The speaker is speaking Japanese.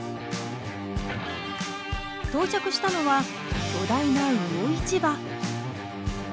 到着したのは巨大な魚市場。